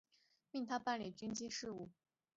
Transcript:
命他办理军机事务。